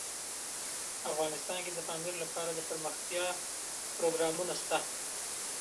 افغانستان کې د پامیر لپاره دپرمختیا پروګرامونه شته.